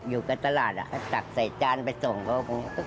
อยู่กับตลาดจักรใส่จานไปส่งเขามันก็ง่าย